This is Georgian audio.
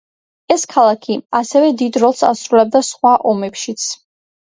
ეს ქალაქი ასევე დიდ როლს ასრულებდა სხვა ომებშიც.